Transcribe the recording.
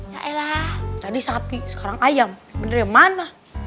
yaelah tadi sapi sekarang ayam beneran mana